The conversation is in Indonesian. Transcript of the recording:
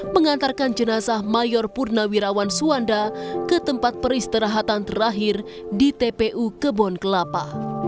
mengantarkan jenazah mayor purnawirawan suwanda ke tempat peristirahatan terakhir di tpu kebon kelapa